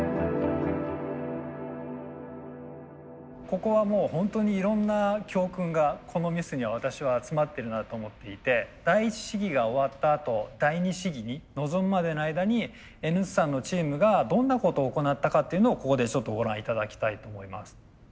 ここはもうホントにいろんな教訓がこのミスには私は詰まってるなと思っていて第一試技が終わったあと第二試技に臨むまでの間にＮ産のチームがどんなことを行ったかっていうのをここでちょっとご覧頂きたいと思います。